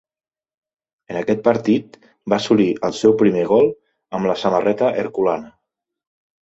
En aquest partit va assolir el seu primer gol amb la samarreta herculana.